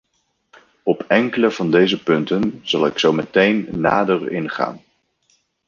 Op enkele van deze punten zal ik zo meteen nader ingaan.